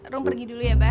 rum pergi dulu ya mbah